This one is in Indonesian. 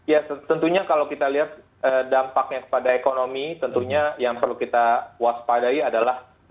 ya tentunya kalau kita lihat dampaknya kepada ekonomi tentunya yang perlu kita waspadai adalah